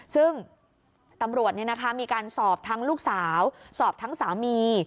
ซึ่งตำรวจมีการสอบทั้งลูกสาวสอบทั้งสามี